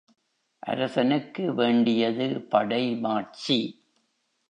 அரசனுக்கு வேண்டியது படைமாட்சி.